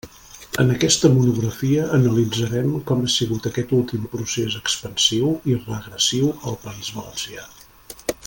En aquesta monografia analitzarem com ha sigut aquest últim procés expansiu i regressiu al País Valencià.